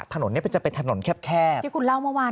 ถนนนี้จะเป็นถนนแคบอย่างคุณเล่าเมื่อวานนี้